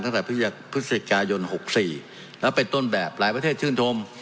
ตั้งแต่พฤหยักษ์ภูเศกยาโยนหกสี่แล้วเป็นต้นแบบหลายประเทศชื่นชม